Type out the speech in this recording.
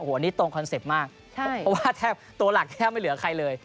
อันนี้ตรงคอนเซ็ปต์มากเพราะว่าแทบตัวหลักแทบไม่เหลือใครเลย